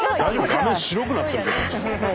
画面白くなってるけど。